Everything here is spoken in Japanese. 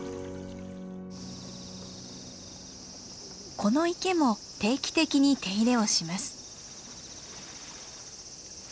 この池も定期的に手入れをします。